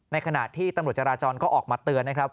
ขณะที่ตำรวจจราจรก็ออกมาเตือนนะครับ